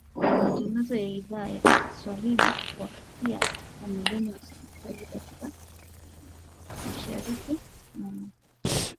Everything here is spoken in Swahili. Matangazo ya Idhaa ya Kiswahili huwafikia mamilioni ya wasikilizaji katika Afrika Mashariki na Afrika ya kati Pamoja.